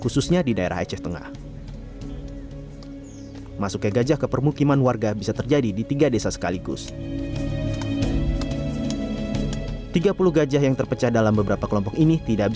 kan kita nggak tahu kemana kita mesti duluan ini